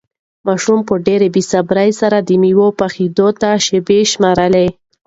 ماشوم په ډېرې بې صبري د مېوې پخېدو ته شېبې شمېرلې.